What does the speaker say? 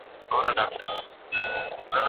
د اور رڼا ته یې مخ سور اوښتی